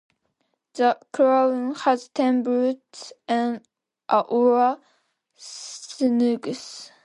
The Crown has ten booths, or snugs.